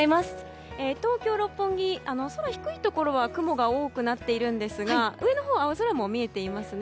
東京・六本木、空低いところは雲が多くなっているんですが上のほうは青空も見えていますね。